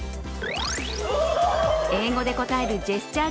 英語で答えるジェスチャー